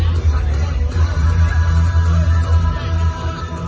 สวัสดีครับ